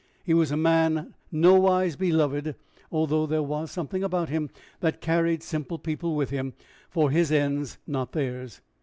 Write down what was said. He was a man nowise beloved, although there was something about him that carried simple people with him for his ends, not theirs.